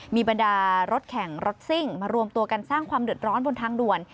มีบรรดารถแข่งรถซิ่งมารวมตัวกันสร้างความเดือดร้อนบนทางด่วน